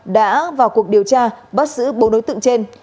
đã vào cuộc điều tra bắt giữ bốn đối tượng trên